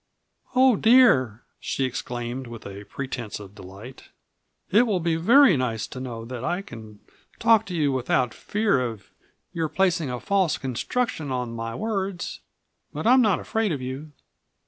"Oh, dear!" she exclaimed, with a pretense of delight. "It will be very nice to know that I can talk to you without fear of your placing a false construction on my words. But I am not afraid of you."